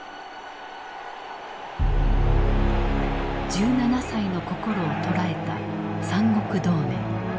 １７歳の心を捉えた三国同盟。